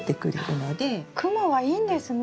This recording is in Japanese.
クモはいいんですね。